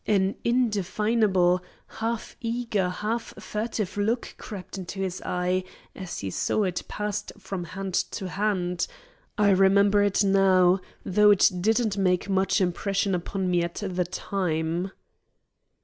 An indefinable half eager, half furtive look crept into his eye as he saw it passed from hand to hand. I remember it now, though it didn't make much impression upon me at the time."